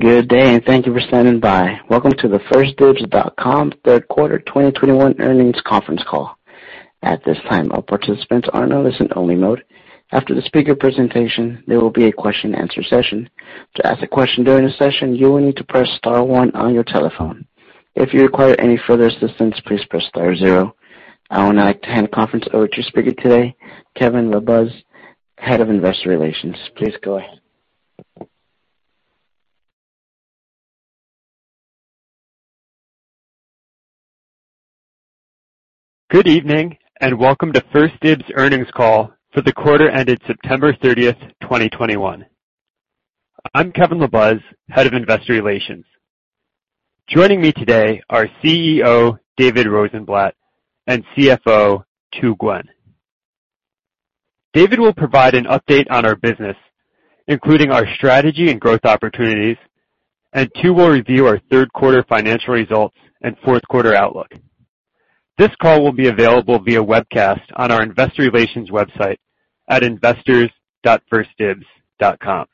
Good day, and thank you for standing by. Welcome to the 1stdibs.com third quarter 2021 earnings conference call. At this time, all participants are in listen only mode. After the speaker presentation, there will be a question and answer session. To ask a question during the session, you will need to press star one on your telephone. If you require any further assistance, please press star zero. I would now like to hand the conference over to speaker today, Kevin LaBuz, Head of Investor Relations. Please go ahead. Good evening, and welcome to 1stDibs earnings call for the quarter ended September 30th, 2021. I'm Kevin LaBuz, Head of Investor Relations. Joining me today are CEO David Rosenblatt and CFO Tu Nguyen. David will provide an update on our business, including our strategy and growth opportunities, and Tu will review our third quarter financial results and fourth quarter outlook. This call will be available via webcast on our investor relations website at investors.1stdibs.com.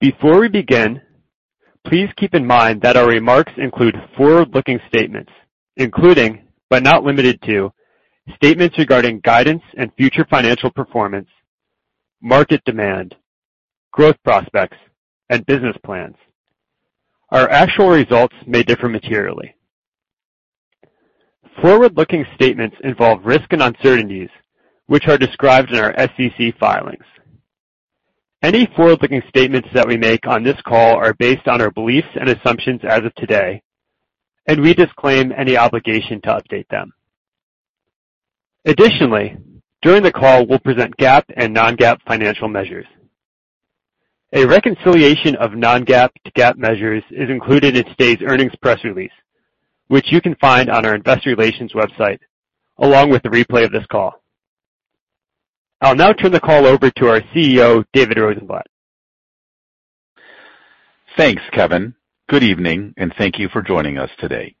Before we begin, please keep in mind that our remarks include forward-looking statements, including, but not limited to, statements regarding guidance and future financial performance, market demand, growth prospects, and business plans. Our actual results may differ materially. Forward-looking statements involve risk and uncertainties, which are described in our SEC filings. Any forward-looking statements that we make on this call are based on our beliefs and assumptions as of today, and we disclaim any obligation to update them. Additionally, during the call, we'll present GAAP and non-GAAP financial measures. A reconciliation of non-GAAP to GAAP measures is included in today's earnings press release, which you can find on our investor relations website, along with the replay of this call. I'll now turn the call over to our CEO, David Rosenblatt. Thanks, Kevin. Good evening, and thank you for joining us today.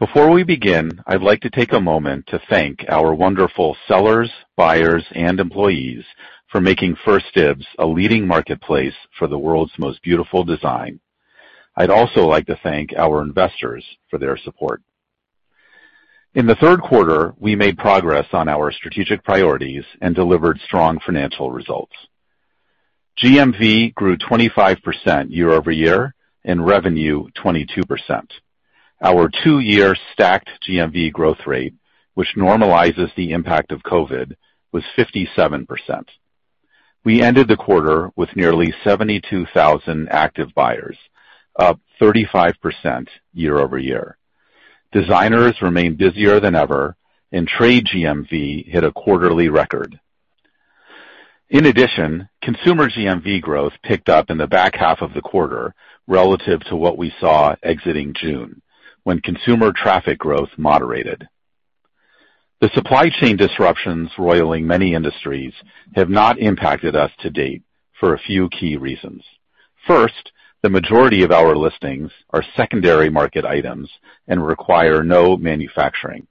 Before we begin, I'd like to take a moment to thank our wonderful sellers, buyers, and employees for making 1stDibs a leading marketplace for the world's most beautiful design. I'd also like to thank our investors for their support. In the third quarter, we made progress on our strategic priorities and delivered strong financial results. GMV grew 25% year-over-year, and revenue, 22%. Our two-year stacked GMV growth rate, which normalizes the impact of COVID, was 57%. We ended the quarter with nearly 72,000 active buyers, up 35% year-over-year. Designers remain busier than ever, and trade GMV hit a quarterly record. In addition, consumer GMV growth picked up in the back half of the quarter relative to what we saw exiting June, when consumer traffic growth moderated. The supply chain disruptions roiling many industries have not impacted us to-date for a few key reasons. First, the majority of our listings are secondary market items and require no manufacturing.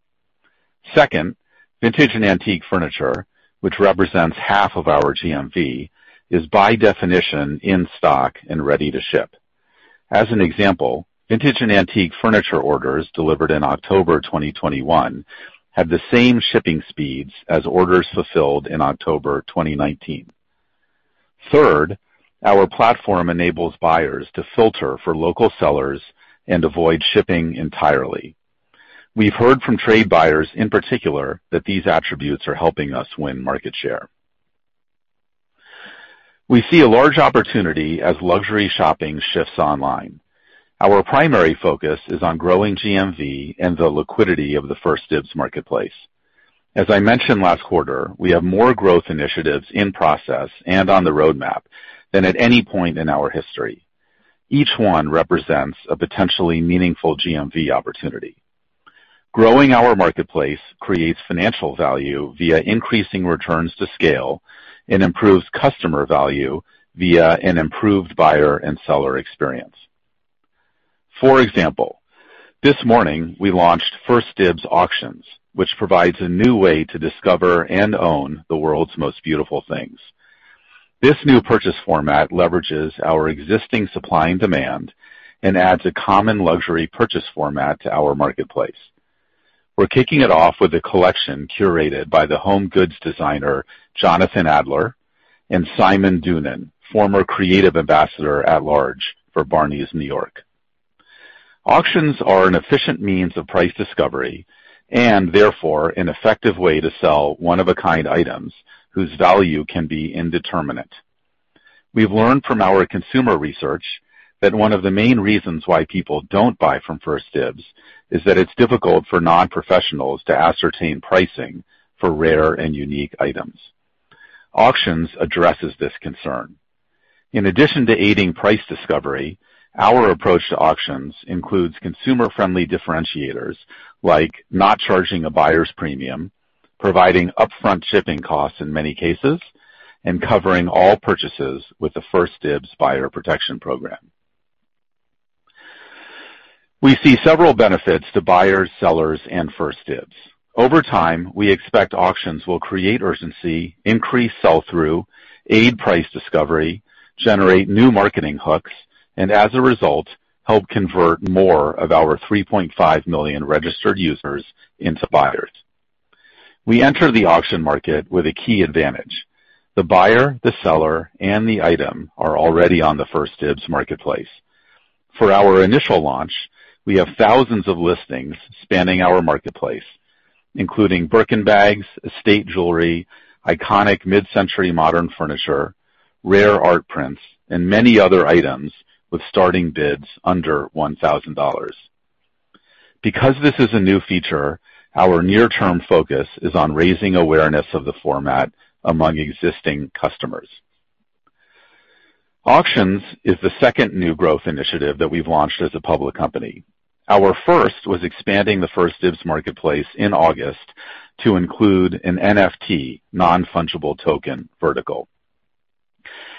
Second, vintage and antique furniture, which represents half of our GMV, is by definition in stock and ready to ship. As an example, vintage and antique furniture orders delivered in October 2021 have the same shipping speeds as orders fulfilled in October 2019. Third, our platform enables buyers to filter for local sellers and avoid shipping entirely. We've heard from trade buyers in particular that these attributes are helping us win market share. We see a large opportunity as luxury shopping shifts online. Our primary focus is on growing GMV and the liquidity of the 1stDibs marketplace. As I mentioned last quarter, we have more growth initiatives in process and on the roadmap than at any point in our history. Each one represents a potentially meaningful GMV opportunity. Growing our marketplace creates financial value via increasing returns to scale and improves customer value via an improved buyer and seller experience. For example, this morning, we launched 1stDibs Auctions, which provides a new way to discover and own the world's most beautiful things. This new purchase format leverages our existing supply and demand and adds a common luxury purchase format to our marketplace. We're kicking it off with a collection curated by the home goods designer, Jonathan Adler, and Simon Doonan, former Creative Ambassador-at-Large for Barneys New York. Auctions are an efficient means of price discovery and therefore an effective way to sell one of a kind items whose value can be indeterminate. We've learned from our consumer research that one of the main reasons why people don't buy from 1stDibs is that it's difficult for non-professionals to ascertain pricing for rare and unique items. Auctions addresses this concern. In addition to aiding price discovery, our approach to auctions includes consumer friendly differentiators, like not charging a buyer's premium, providing upfront shipping costs in many cases, and covering all purchases with the 1stDibs buyer protection program. We see several benefits to buyers, sellers, and 1stDibs. Over time, we expect auctions will create urgency, increase sell-through, aid price discovery, generate new marketing hooks, and as a result, help convert more of our 3.5 million registered users into buyers. We enter the auction market with a key advantage. The buyer, the seller, and the item are already on the 1stDibs marketplace. For our initial launch, we have thousands of listings spanning our marketplace, including Birkin bags, estate jewelry, iconic mid-century modern furniture, rare art prints, and many other items with starting bids under $1,000. Because this is a new feature, our near-term focus is on raising awareness of the format among existing customers. Auctions is the second new growth initiative that we've launched as a public company. Our first was expanding the 1stDibs marketplace in August to include an NFT, non-fungible token, vertical.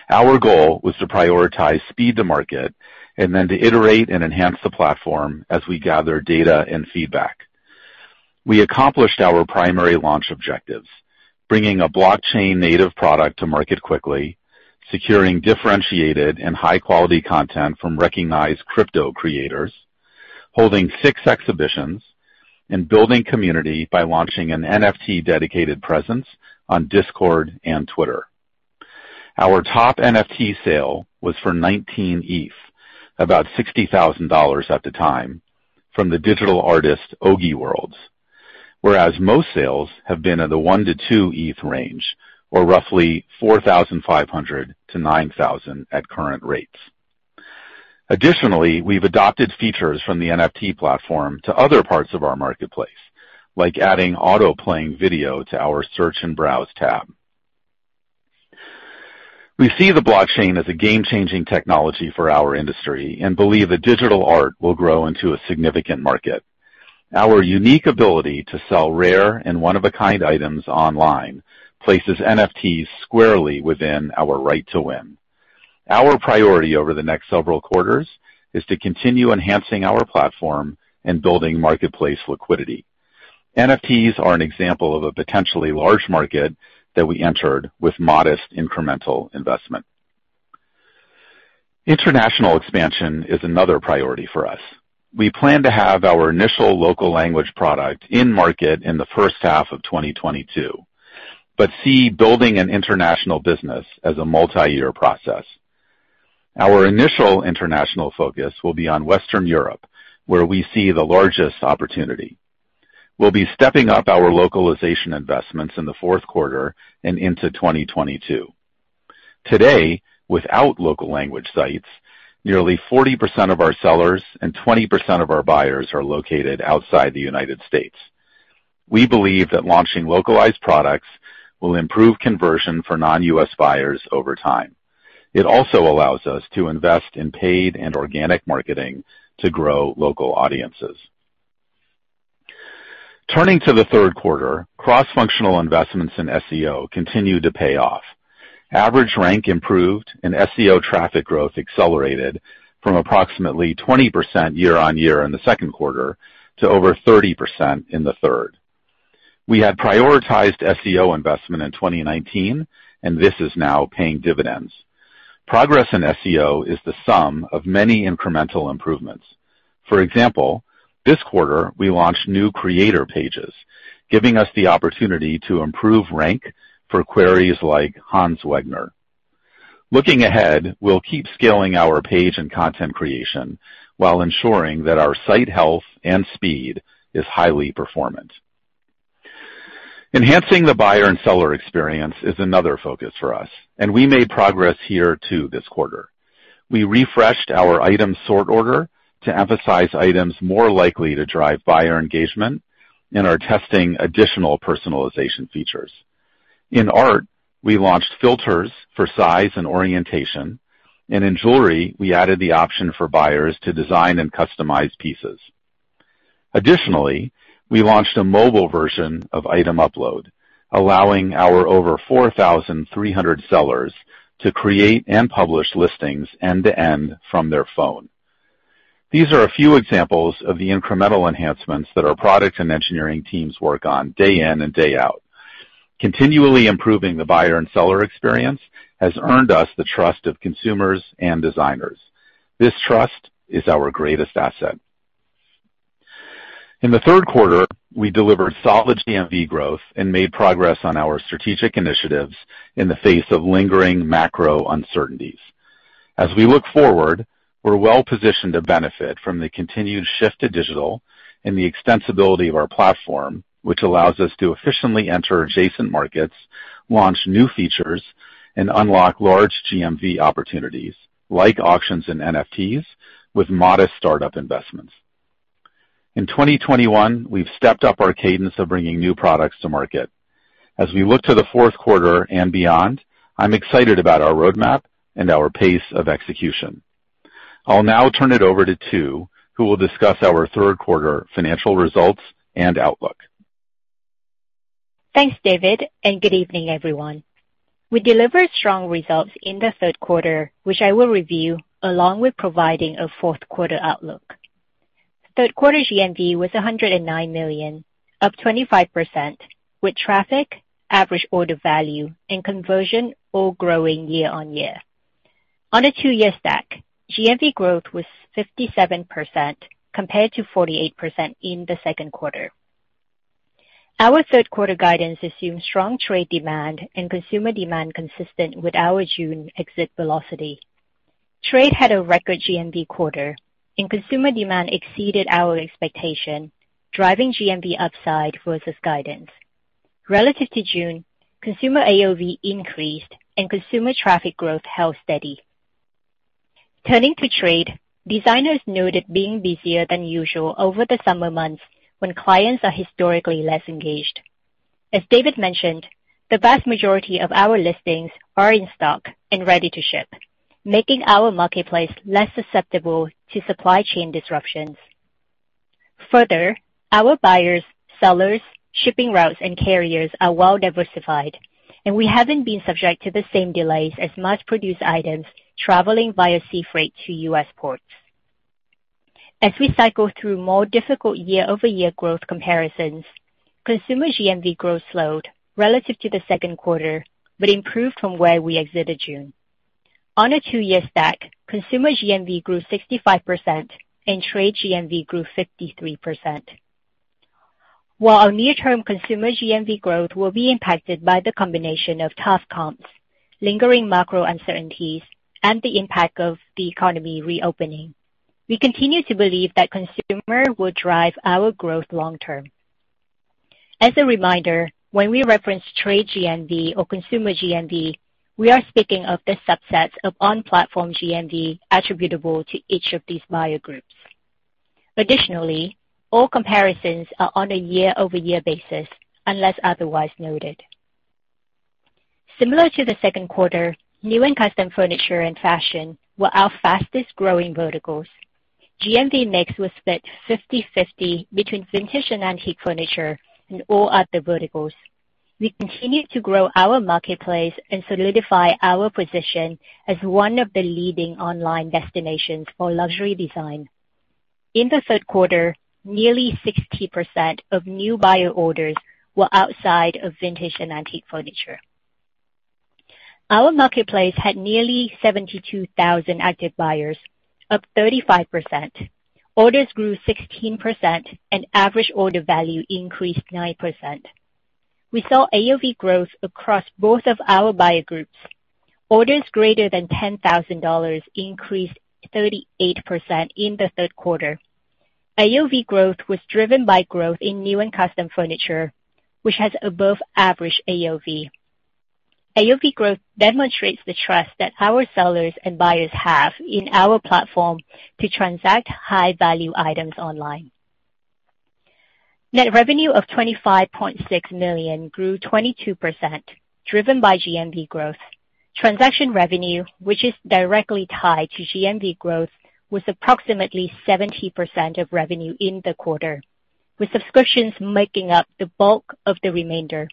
Our goal was to prioritize speed to market and then to iterate and enhance the platform as we gather data and feedback. We accomplished our primary launch objectives, bringing a blockchain-native product to market quickly, securing differentiated and high-quality content from recognized crypto creators, holding six exhibitions, and building community by launching an NFT-dedicated presence on Discord and Twitter. Our top NFT sale was for 19 ETH, about $60,000 at the time, from the digital artist Osinachi, whereas most sales have been in the 1-2 ETH range, or roughly $4,500-$9,000 at current rates. Additionally, we've adopted features from the NFT platform to other parts of our marketplace, like adding auto-playing video to our search and browse tab. We see the blockchain as a game-changing technology for our industry and believe that digital art will grow into a significant market. Our unique ability to sell rare and one-of-a-kind items online places NFTs squarely within our right to win. Our priority over the next several quarters is to continue enhancing our platform and building marketplace liquidity. NFTs are an example of a potentially large market that we entered with modest incremental investment. International expansion is another priority for us. We plan to have our initial local language product in market in the first half of 2022, but see building an international business as a multi-year process. Our initial international focus will be on Western Europe, where we see the largest opportunity. We'll be stepping up our localization investments in the fourth quarter and into 2022. Today, without local language sites, nearly 40% of our sellers and 20% of our buyers are located outside the United States. We believe that launching localized products will improve conversion for non-U.S. buyers over time. It also allows us to invest in paid and organic marketing to grow local audiences. Turning to the third quarter, cross-functional investments in SEO continued to pay off. Average rank improved and SEO traffic growth accelerated from approximately 20% year-on-year in the second quarter to over 30% in the third. We had prioritized SEO investment in 2019, and this is now paying dividends. Progress in SEO is the sum of many incremental improvements. For example, this quarter, we launched new creator pages, giving us the opportunity to improve rank for queries like Hans Wegner. Looking ahead, we'll keep scaling our page and content creation while ensuring that our site health and speed is highly performant. Enhancing the buyer and seller experience is another focus for us, and we made progress here too this quarter. We refreshed our item sort order to emphasize items more likely to drive buyer engagement and are testing additional personalization features. In art, we launched filters for size and orientation, and in jewelry, we added the option for buyers to design and customize pieces. Additionally, we launched a mobile version of item upload, allowing our over 4,300 sellers to create and publish listings end to end from their phone. These are a few examples of the incremental enhancements that our product and engineering teams work on day in and day out. Continually improving the buyer and seller experience has earned us the trust of consumers and designers. This trust is our greatest asset. In the third quarter, we delivered solid GMV growth and made progress on our strategic initiatives in the face of lingering macro uncertainties. As we look forward, we're well-positioned to benefit from the continued shift to digital and the extensibility of our platform, which allows us to efficiently enter adjacent markets, launch new features, and unlock large GMV opportunities, like auctions and NFTs, with modest startup investments. In 2021, we've stepped up our cadence of bringing new products to market. As we look to the fourth quarter and beyond, I'm excited about our roadmap and our pace of execution. I'll now turn it over to Tu, who will discuss our third quarter financial results and outlook. Thanks, David, and good evening, everyone. We delivered strong results in the third quarter, which I will review along with providing a fourth quarter outlook. Third quarter GMV was $109 million, up 25%, with traffic, average order value, and conversion all growing year-on-year. On a two-year stack, GMV growth was 57% compared to 48% in the second quarter. Our third quarter guidance assumed strong trade demand and consumer demand consistent with our June exit velocity. Trade had a record GMV quarter, and consumer demand exceeded our expectation, driving GMV upside versus guidance. Relative to June, consumer AOV increased and consumer traffic growth held steady. Turning to trade, designers noted being busier than usual over the summer months when clients are historically less engaged. As David mentioned, the vast majority of our listings are in stock and ready to ship, making our marketplace less susceptible to supply chain disruptions. Further, our buyers, sellers, shipping routes, and carriers are well diversified, and we haven't been subject to the same delays as mass-produced items traveling via sea freight to U.S. ports. As we cycle through more difficult year-over-year growth comparisons, consumer GMV growth slowed relative to the second quarter but improved from where we exited June. On a two-year stack, consumer GMV grew 65% and trade GMV grew 53%. While our near-term consumer GMV growth will be impacted by the combination of tough comps, lingering macro uncertainties, and the impact of the economy reopening, we continue to believe that consumer will drive our growth long term. As a reminder, when we reference trade GMV or consumer GMV, we are speaking of the subsets of on-platform GMV attributable to each of these buyer groups. Additionally, all comparisons are on a year-over-year basis, unless otherwise noted. Similar to the second quarter, new and custom furniture and fashion were our fastest-growing verticals. GMV mix was split 50/50 between vintage and antique furniture and all other verticals. We continue to grow our marketplace and solidify our position as one of the leading online destinations for luxury design. In the third quarter, nearly 60% of new buyer orders were outside of vintage and antique furniture. Our marketplace had nearly 72,000 active buyers, up 35%. Orders grew 16%, and average order value increased 9%. We saw AOV growth across both of our buyer groups. Orders greater than $10,000 increased 38% in the third quarter. AOV growth was driven by growth in new and custom furniture, which has above-average AOV. AOV growth demonstrates the trust that our sellers and buyers have in our platform to transact high-value items online. Net revenue of $25.6 million grew 22%, driven by GMV growth. Transaction revenue, which is directly tied to GMV growth, was approximately 70% of revenue in the quarter, with subscriptions making up the bulk of the remainder.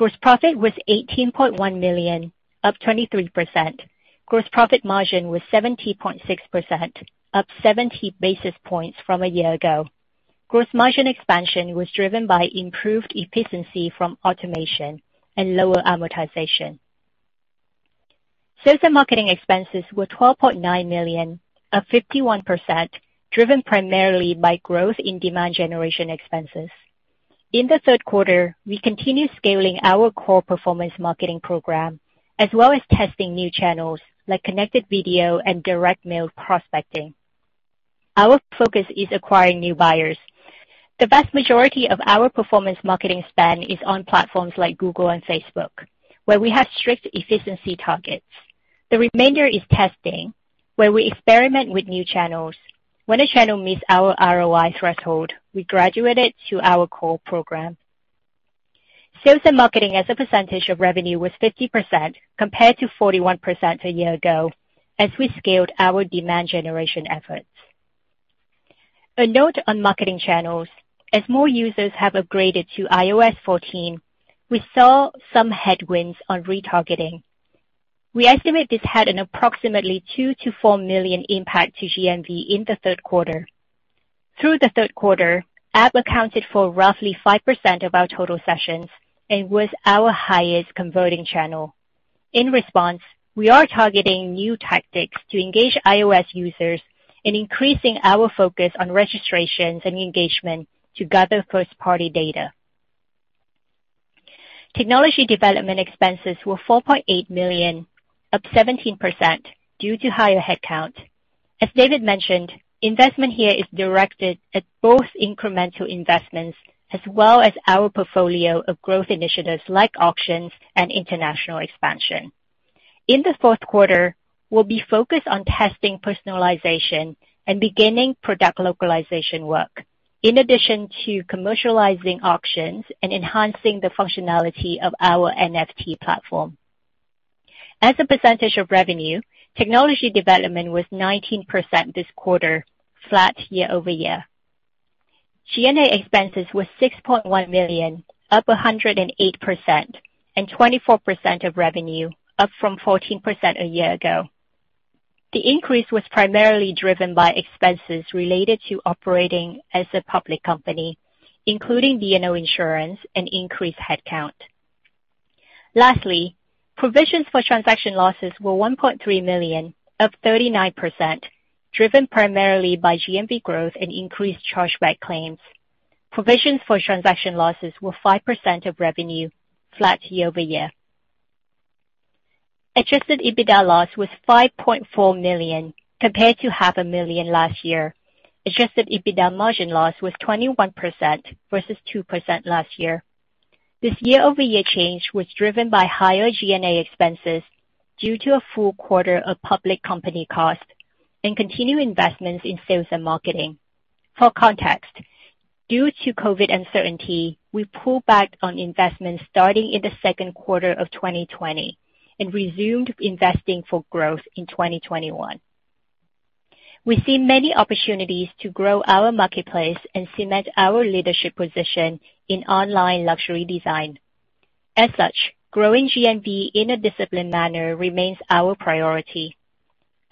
Gross profit was $18.1 million, up 23%. Gross profit margin was 70.6%, up 70 basis points from a year ago. Gross margin expansion was driven by improved efficiency from automation and lower amortization. Sales and marketing expenses were $12.9 million, up 51%, driven primarily by growth in demand generation expenses. In the third quarter, we continued scaling our core performance marketing program, as well as testing new channels like connected video and direct mail prospecting. Our focus is acquiring new buyers. The vast majority of our performance marketing spend is on platforms like Google and Facebook, where we have strict efficiency targets. The remainder is testing, where we experiment with new channels. When a channel meets our ROI threshold, we graduate it to our core program. Sales and marketing as a percentage of revenue was 50% compared to 41% a year ago as we scaled our demand generation efforts. A note on marketing channels. As more users have upgraded to iOS 14, we saw some headwinds on retargeting. We estimate this had an approximately $2 million-$4 million impact to GMV in the third quarter. Through the third quarter, app accounted for roughly 5% of our total sessions and was our highest converting channel. In response, we are targeting new tactics to engage iOS users and increasing our focus on registrations and engagement to gather first-party data. Technology development expenses were $4.8 million, up 17% due to higher headcount. As David mentioned, investment here is directed at both incremental investments as well as our portfolio of growth initiatives like auctions and international expansion. In the fourth quarter, we'll be focused on testing personalization and beginning product localization work in addition to commercializing auctions and enhancing the functionality of our NFT platform. As a percentage of revenue, technology development was 19% this quarter, flat year-over-year. G&A expenses were $6.1 million, up 108% and 24% of revenue, up from 14% a year ago. The increase was primarily driven by expenses related to operating as a public company, including D&O insurance and increased head count. Lastly, provisions for transaction losses were $1.3 million, up 39%, driven primarily by GMV growth and increased chargeback claims. Provisions for transaction losses were 5% of revenue, flat year-over-year. Adjusted EBITDA loss was $5.4 million compared to $500,000 last year. Adjusted EBITDA margin loss was 21% versus 2% last year. This year-over-year change was driven by higher G&A expenses due to a full quarter of public company costs and continued investments in sales and marketing. For context, due to COVID uncertainty, we pulled back on investments starting in the second quarter of 2020 and resumed investing for growth in 2021. We see many opportunities to grow our marketplace and cement our leadership position in online luxury design. As such, growing GMV in a disciplined manner remains our priority.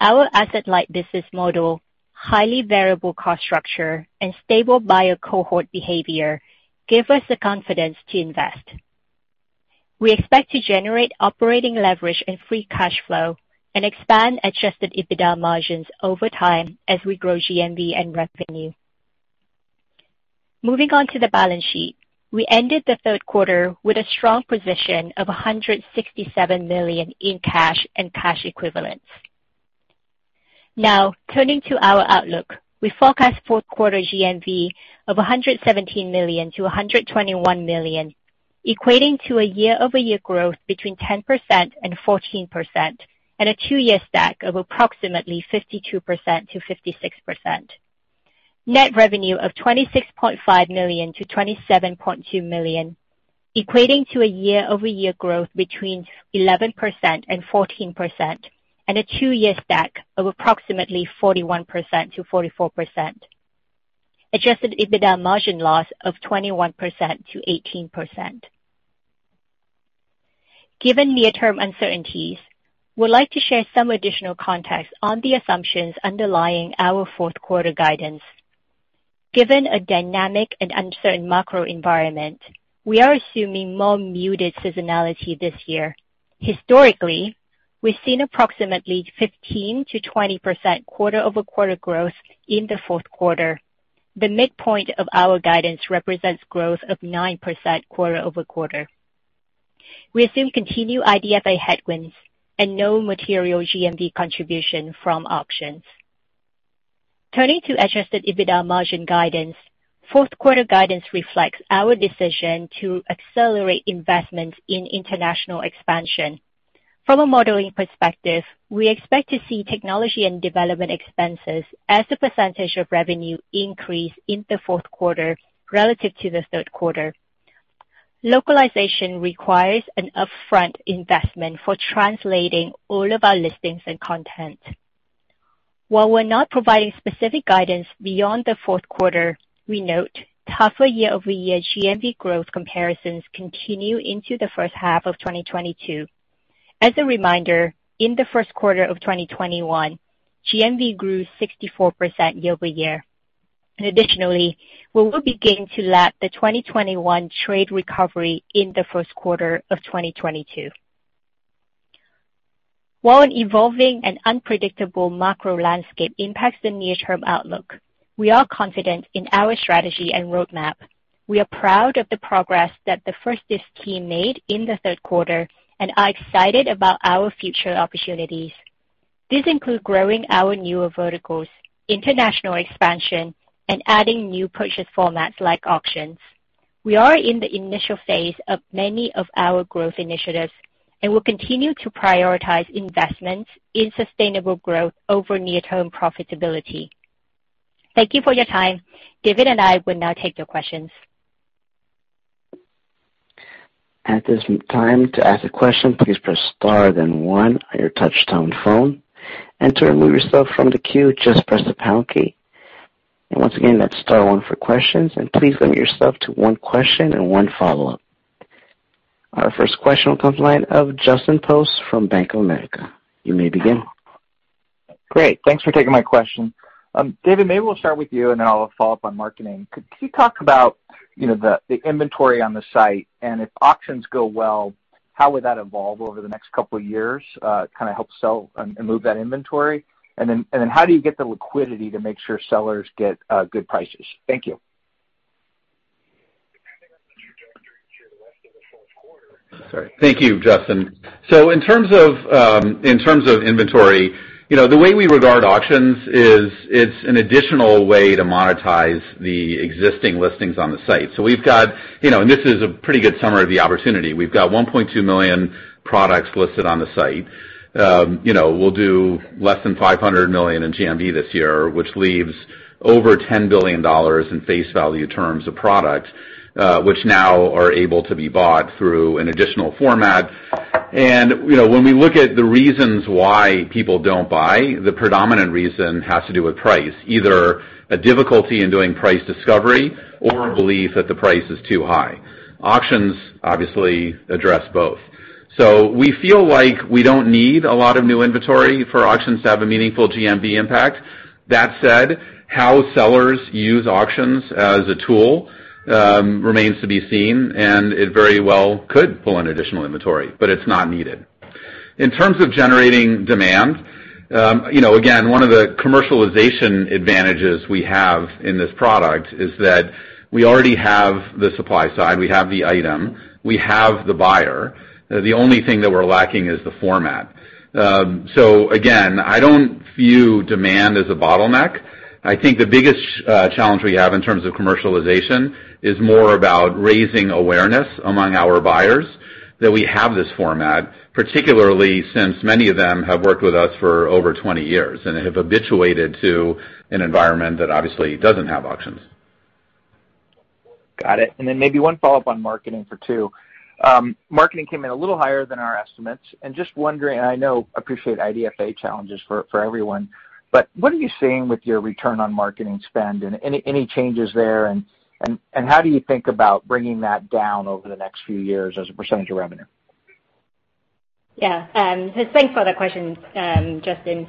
Our asset-light business model, highly variable cost structure, and stable buyer cohort behavior give us the confidence to invest. We expect to generate operating leverage and free cash flow and expand Adjusted EBITDA margins over time as we grow GMV and revenue. Moving on to the balance sheet. We ended the third quarter with a strong position of $167 million in cash and cash equivalents. Now, turning to our outlook. We forecast fourth quarter GMV of $117 million-$121 million, equating to a year-over-year growth between 10% and 14%, and a two-year stack of approximately 52%-56%. Net revenue of $26.5 million-$27.2 million, equating to a year-over-year growth between 11% and 14%, and a two-year stack of approximately 41%-44%. Adjusted EBITDA margin loss of 21%-18%. Given near-term uncertainties, we'd like to share some additional context on the assumptions underlying our fourth quarter guidance. Given a dynamic and uncertain macro environment, we are assuming more muted seasonality this year. Historically, we've seen approximately 15%-20% quarter-over-quarter growth in the fourth quarter. The midpoint of our guidance represents growth of 9% quarter-over-quarter. We assume continued IDFA headwinds and no material GMV contribution from auctions. Turning to Adjusted EBITDA margin guidance. Fourth quarter guidance reflects our decision to accelerate investments in international expansion. From a modeling perspective, we expect to see technology and development expenses as a percentage of revenue increase in the fourth quarter relative to the third quarter. Localization requires an upfront investment for translating all of our listings and content. While we're not providing specific guidance beyond the fourth quarter, we note tougher year-over-year GMV growth comparisons continue into the first half of 2022. As a reminder, in the first quarter of 2021, GMV grew 64% year-over-year. Additionally, we will begin to lap the 2021 trade recovery in the first quarter of 2022. While an evolving and unpredictable macro landscape impacts the near-term outlook, we are confident in our strategy and roadmap. We are proud of the progress that the 1stDibs team made in the third quarter and are excited about our future opportunities. These include growing our newer verticals, international expansion, and adding new purchase formats like auctions. We are in the initial phase of many of our growth initiatives, and we'll continue to prioritize investments in sustainable growth over near-term profitability. Thank you for your time. David and I will now take your questions. At this time, to ask a question, please press star then one on your touch-tone phone. To remove yourself from the queue, just press the pound key. Once again, that's star one for questions, and please limit yourself to one question and one follow-up. Our first question will come from the line of Justin Post from Bank of America. You may begin. Great. Thanks for taking my question. David, maybe we'll start with you, and then I'll follow up on marketing. Could you talk about, you know, the inventory on the site? And if auctions go well, how would that evolve over the next couple of years, kind of help sell and move that inventory? And then how do you get the liquidity to make sure sellers get good prices? Thank you. Thank you, Justin. In terms of inventory, you know, the way we regard auctions is it's an additional way to monetize the existing listings on the site. We've got, you know, and this is a pretty good summary of the opportunity. We've got 1.2 million products listed on the site. You know, we'll do less than $500 million in GMV this year, which leaves over $10 billion in face value terms of product, which now are able to be bought through an additional format. You know, when we look at the reasons why people don't buy, the predominant reason has to do with price, either a difficulty in doing price discovery or a belief that the price is too high. Auctions obviously address both. We feel like we don't need a lot of new inventory for auctions to have a meaningful GMV impact. That said, how sellers use auctions as a tool remains to be seen, and it very well could pull in additional inventory, but it's not needed. In terms of generating demand, you know, again, one of the commercialization advantages we have in this product is that we already have the supply side, we have the item, we have the buyer. The only thing that we're lacking is the format. Again, I don't view demand as a bottleneck. I think the biggest challenge we have in terms of commercialization is more about raising awareness among our buyers that we have this format, particularly since many of them have worked with us for over 20 years and have habituated to an environment that obviously doesn't have auctions. Got it. Then maybe one follow-up on marketing for Tu. Marketing came in a little higher than our estimates. Just wondering, I know, I appreciate IDFA challenges for everyone, but what are you seeing with your return on marketing spend, and any changes there, and how do you think about bringing that down over the next few years as a percentage of revenue? Thanks for the question, Justin.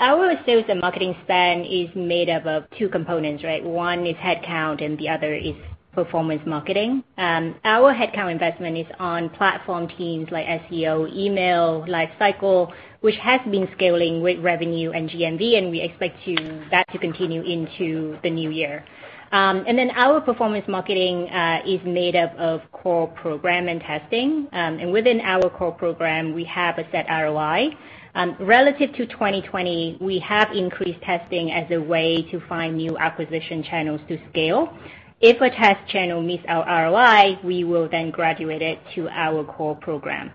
Our sales and marketing spend is made up of two components, right? One is headcount and the other is performance marketing. Our headcount investment is on platform teams like SEO, email, lifecycle, which has been scaling with revenue and GMV, and we expect that to continue into the new year. Our performance marketing is made up of core program and testing. Within our core program, we have a set ROI. Relative to 2020, we have increased testing as a way to find new acquisition channels to scale. If a test channel meets our ROI, we will then graduate it to our core program.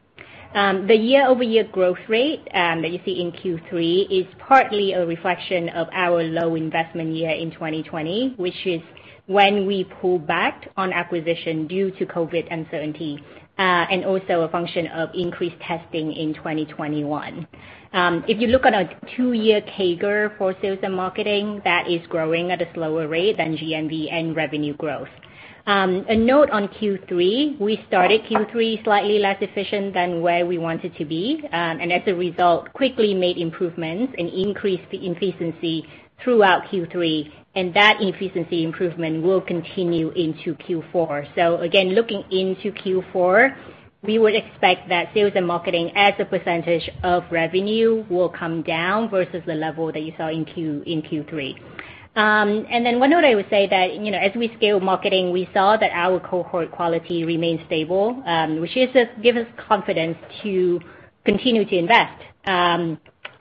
The year-over-year growth rate that you see in Q3 is partly a reflection of our low investment year in 2020, which is when we pulled back on acquisition due to COVID uncertainty, and also a function of increased testing in 2021. If you look at a two-year CAGR for sales and marketing, that is growing at a slower rate than GMV and revenue growth. A note on Q3, we started Q3 slightly less efficient than where we wanted to be, and as a result, quickly made improvements and increased the efficiency throughout Q3, and that efficiency improvement will continue into Q4. Again, looking into Q4, we would expect that sales and marketing as a percentage of revenue will come down versus the level that you saw in Q3. One note I would say that, you know, as we scale marketing, we saw that our cohort quality remains stable, which gives us confidence to continue to invest.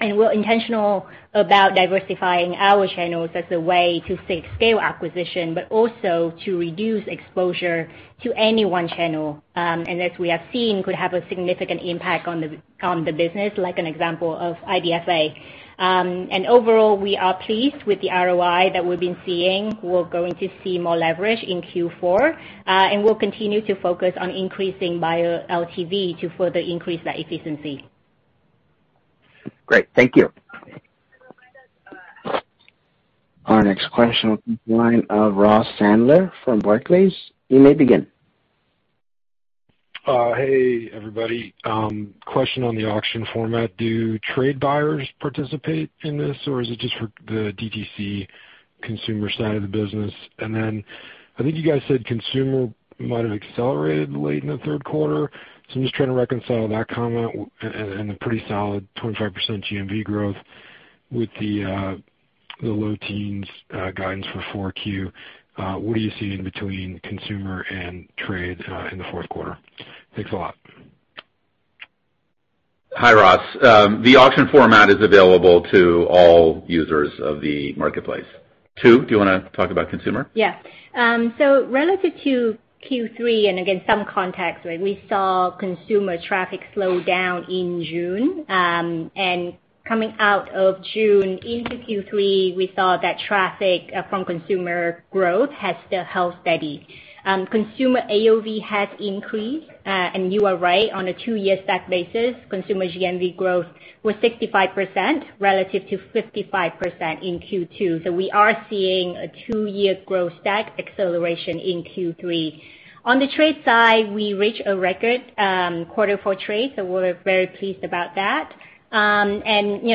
We're intentional about diversifying our channels as a way to scale acquisition, but also to reduce exposure to any one channel, and as we have seen, could have a significant impact on the business, like an example of IDFA. Overall, we are pleased with the ROI that we've been seeing. We're going to see more leverage in Q4, and we'll continue to focus on increasing buyer LTV to further increase that efficiency. Great. Thank you. Our next question will be the line of Ross Sandler from Barclays. You may begin. Hey, everybody. Question on the auction format. Do trade buyers participate in this, or is it just for the DTC consumer side of the business? I think you guys said consumer might have accelerated late in the third quarter. I'm just trying to reconcile that comment and the pretty solid 25% GMV growth with the low teens guidance for Q4. What are you seeing between consumer and trade in the fourth quarter? Thanks a lot. Hi, Ross. The auction format is available to all users of the marketplace. Tu, do you wanna talk about consumer? Relative to Q3, and again, some context, right? We saw consumer traffic slow down in June. Coming out of June into Q3, we saw that traffic from consumer growth has still held steady. Consumer AOV has increased. You are right, on a two-year stack basis, consumer GMV growth was 65% relative to 55% in Q2. We are seeing a two-year growth stack acceleration in Q3. On the trade side, we reached a record quarter for trade, so we're very pleased about that. You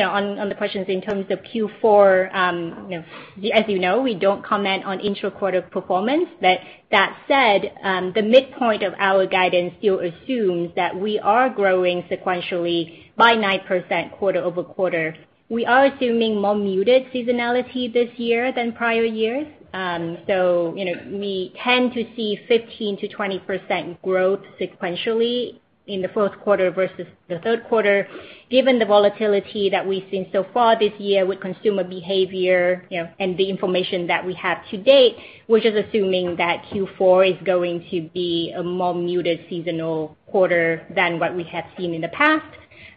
know, on the questions in terms of Q4, you know, as you know, we don't comment on intra-quarter performance. But that said, the midpoint of our guidance still assumes that we are growing sequentially by 9% quarter-over-quarter. We are assuming more muted seasonality this year than prior years. You know, we tend to see 15%-20% growth sequentially in the fourth quarter versus the third quarter. Given the volatility that we've seen so far this year with consumer behavior, you know, and the information that we have to-date, we're just assuming that Q4 is going to be a more muted seasonal quarter than what we have seen in the past.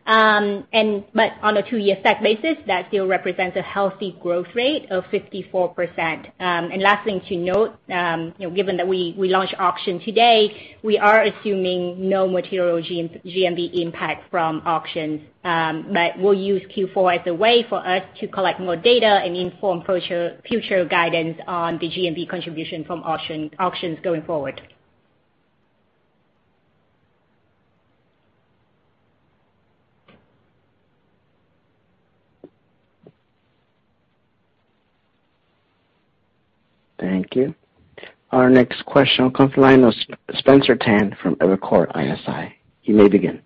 On a two-year stack basis, that still represents a healthy growth rate of 54%. Last thing to note, you know, given that we launched auction today, we are assuming no material GMV impact from auctions. We'll use Q4 as a way for us to collect more data and inform future guidance on the GMV contribution from auctions going forward. Thank you. Our next question will come from the line of Spencer Tan from Evercore ISI. You may begin.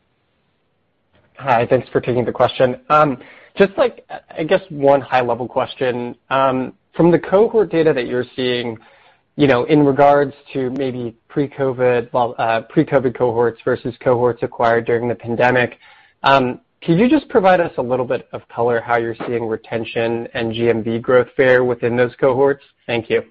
Hi. Thanks for taking the question. Just like, I guess one high level question. From the cohort data that you're seeing, you know, in regards to maybe pre-COVID cohorts versus cohorts acquired during the pandemic, could you just provide us a little bit of color how you're seeing retention and GMV growth fare within those cohorts? Thank you.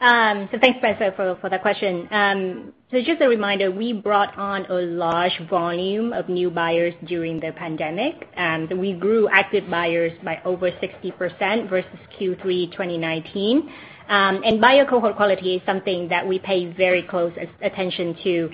Thanks, Spencer, for that question. Just a reminder, we brought on a large volume of new buyers during the pandemic, and we grew active buyers by over 60% versus Q3 2019. Buyer cohort quality is something that we pay very close attention to.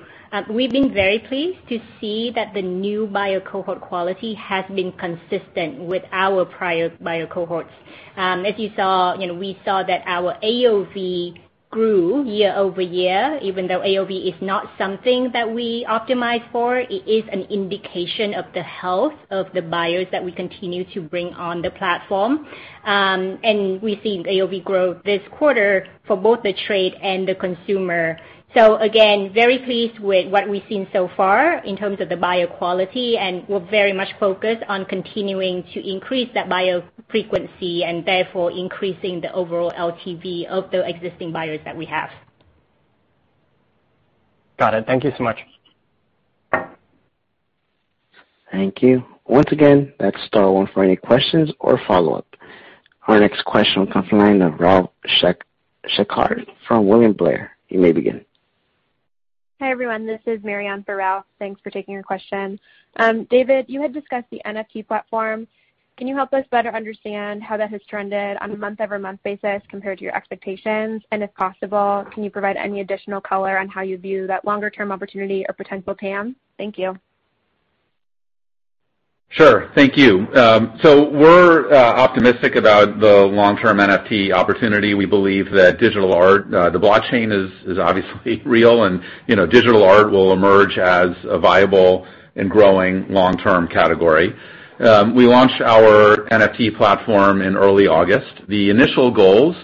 We've been very pleased to see that the new buyer cohort quality has been consistent with our prior buyer cohorts. As you saw, you know, we saw that our AOV grew year-over-year, even though AOV is not something that we optimize for, it is an indication of the health of the buyers that we continue to bring on the platform. We've seen AOV growth this quarter for both the trade and the consumer. Again, very pleased with what we've seen so far in terms of the buyer quality, and we're very much focused on continuing to increase that buyer frequency and therefore increasing the overall LTV of the existing buyers that we have. Got it. Thank you so much. Thank you. Once again, that's star one for any questions or follow-up. Our next question will come from the line of Ralph Schackart from William Blair. You may begin. Hi, everyone. This is Marianne for Rob. Thanks for taking our question. David, you had discussed the NFT platform. Can you help us better understand how that has trended on a month-over-month basis compared to your expectations and if possible, can you provide any additional color on how you view that longer-term opportunity or potential TAM? Thank you. Sure. Thank you. We're optimistic about the long-term NFT opportunity. We believe that digital art, the blockchain is obviously real, and, you know, digital art will emerge as a viable and growing long-term category. We launched our NFT platform in early August. The initial goals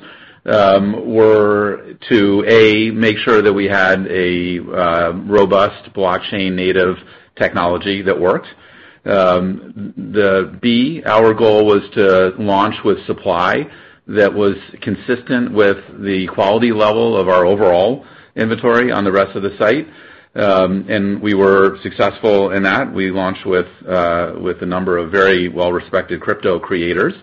were to, A, make sure that we had a robust blockchain native technology that worked. B, our goal was to launch with supply that was consistent with the quality level of our overall inventory on the rest of the site, and we were successful in that. We launched with a number of very well-respected crypto creators.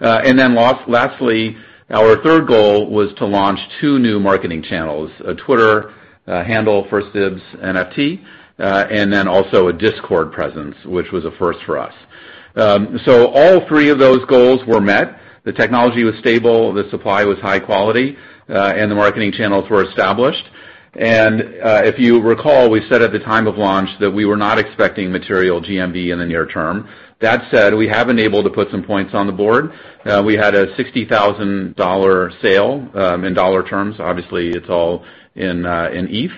Lastly, our third goal was to launch two new marketing channels, a Twitter handle, 1stDibsNFT, and then also a Discord presence, which was a first for us. All three of those goals were met. The technology was stable, the supply was high quality, and the marketing channels were established. If you recall, we said at the time of launch that we were not expecting material GMV in the near term. That said, we have been able to put some points on the board. We had a $60,000 sale in dollar terms. Obviously, it's all in ETH.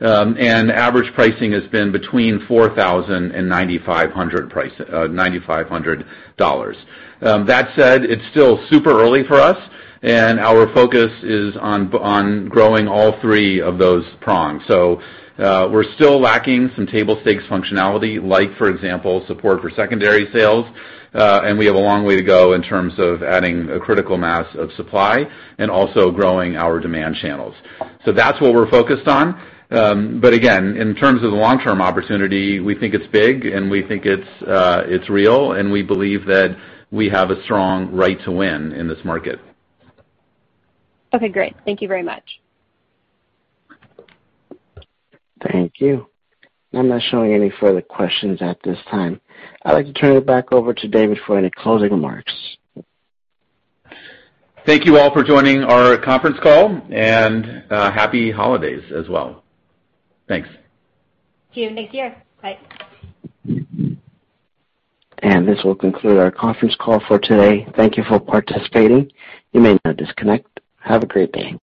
Average pricing has been between $4,000 and $9,500. That said, it's still super early for us, and our focus is on growing all three of those prongs. We're still lacking some table stakes functionality, like for example, support for secondary sales, and we have a long way to go in terms of adding a critical mass of supply and also growing our demand channels. That's what we're focused on. Again, in terms of the long-term opportunity, we think it's big and we think it's real, and we believe that we have a strong right to win in this market. Okay, great. Thank you very much. Thank you. I'm not showing any further questions at this time. I'd like to turn it back over to David for any closing remarks. Thank you all for joining our conference call, and happy holidays as well. Thanks. See you next year. Bye. This will conclude our conference call for today. Thank you for participating. You may now disconnect. Have a great day.